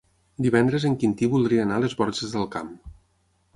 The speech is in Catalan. Divendres en Quintí voldria anar a les Borges del Camp.